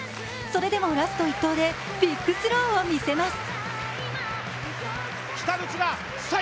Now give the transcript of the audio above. それでもラスト１投でビッグスローを見せます。